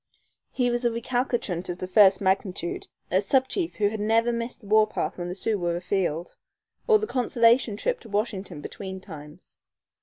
He was a recalcitrant of the first magnitude, a sub chief who had never missed the warpath when the Sioux were afield, or the consolation trip to Washington between times.